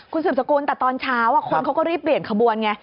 คุณสืบสกุลแต่ตอนเช้าคนเขาก็รีบเปลี่ยนขบวนไง